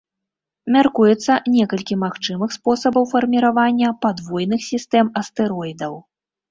Мяркуецца некалькі магчымых спосабаў фарміравання падвойных сістэм астэроідаў.